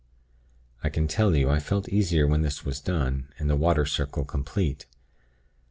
I can tell you, I felt easier when this was done, and the 'water circle' complete.